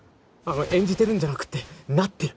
演じてるんじゃなくてなってる！